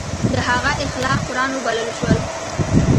د هغه اخلاق قرآن وبلل شول.